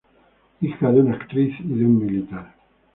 Hija de una actriz y de un militar.